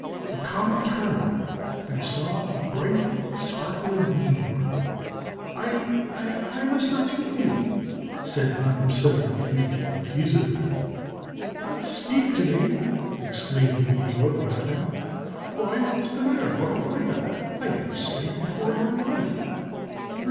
The comet turned and saw a bright and sparkling meteor. "I I must not speak to you!" said No. 73, confusedly. "Not speak to me!" exclaimed the meteor, laughing. "Why, what's the matter? What have I done? I never saw you before in my life."